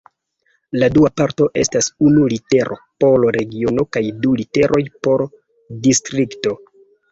La dua parto estas unu litero por regiono kaj du literoj por distrikto.